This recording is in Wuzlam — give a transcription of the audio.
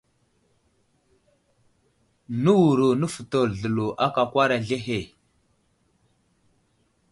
Nə wuro nəfətel zlelo aka akwar azlehe.